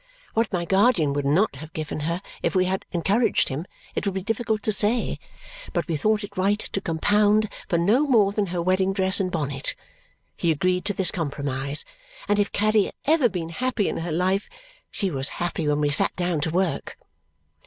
What my guardian would not have given her if we had encouraged him, it would be difficult to say, but we thought it right to compound for no more than her wedding dress and bonnet. He agreed to this compromise, and if Caddy had ever been happy in her life, she was happy when we sat down to work.